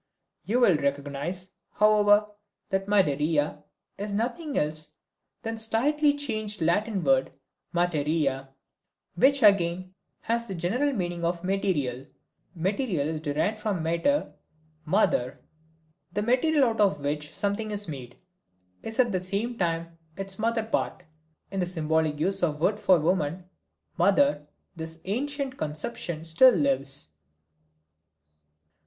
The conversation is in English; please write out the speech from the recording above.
You will recognize, however, that Madeira, is nothing else than the slightly changed Latin word materia which again has the general meaning of material Material is derived from mater, mother. The material out of which something is made, is at the same time its mother part. In the symbolic use of wood for woman, mother, this ancient conception still lives.